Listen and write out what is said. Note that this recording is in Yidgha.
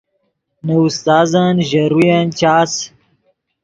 نے استازن ژے روین چاس